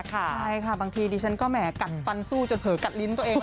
ใช่ค่ะบางทีดิฉันก็แหมกัดฟันสู้จนเผลอกัดลิ้นตัวเอง